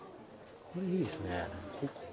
これいいですね。